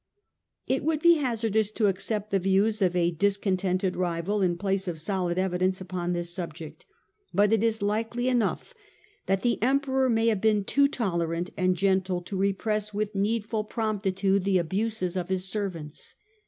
It would be hazardous to accept the views of a discon tented rival in place of solid evidence upon this subject ; but it is likely enough that the Emperor may have been too tolerant and gentle to repress with needful A. IX io6 The Age of the Antonines, promptitude the abuses of his servants.